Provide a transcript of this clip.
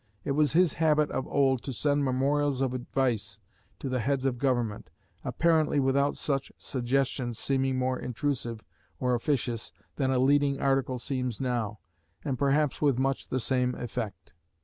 It was his habit of old to send memorials of advice to the heads of the Government, apparently without such suggestions seeming more intrusive or officious than a leading article seems now, and perhaps with much the same effect.